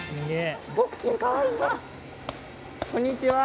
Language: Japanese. こんにちは！